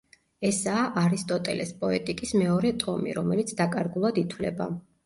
ესაა არისტოტელეს „პოეტიკის“ მეორე ტომი, რომელიც დაკარგულად ითვლება.